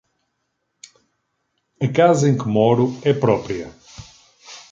A casa em que moro é própria.